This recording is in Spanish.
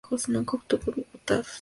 Nunca obtuvo diputados.